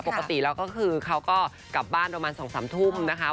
ปกติแล้วก็คือเขาก็กลับบ้านประมาณ๒๓ทุ่มนะคะ